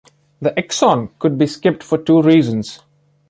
The exon could be skipped for two reasons.